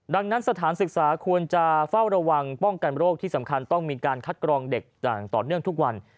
ดังนั้นสถานศึกษาควรจะเฝ้าระวังป้องกันโรคที่สำคัญต้องมีการคัดกรองเด็กอย่างต่อเนื่องทุกวัน